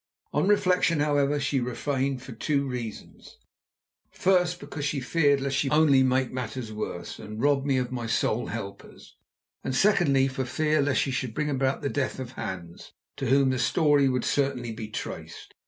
On reflection, however, she refrained for two reasons, first because she feared lest she might only make matters worse and rob me of my sole helpers, and secondly for fear lest she should bring about the death of Hans, to whom the story would certainly be traced.